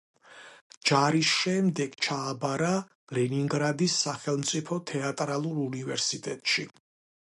ჯარის შემდეგ ჩააბარა ლენინგრადის სახელმწიფო თეატრალურ უნივერსიტეტში.